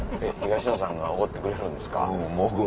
東野さんがおごってくれるんですか？